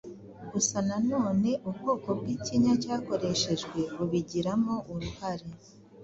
Gusa nanone ubwoko bw’ikinya cyakoreshejwe bubigiramo urhare